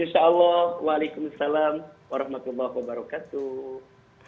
insya allah waalaikumsalam warahmatullahi wabarakatuh